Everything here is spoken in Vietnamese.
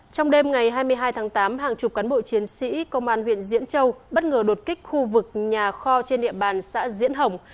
trong đêm ngày hai mươi hai tháng tám hàng chục cán bộ chiến sĩ công an huyện diễn châu bất ngờ đột kích khu vực nhà kho trên địa bàn xã diễn hồng